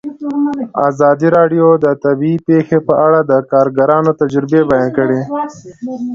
ازادي راډیو د طبیعي پېښې په اړه د کارګرانو تجربې بیان کړي.